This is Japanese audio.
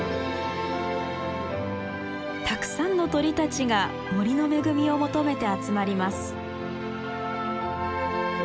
たくさんの鳥たちが森の恵みを求めて集まります。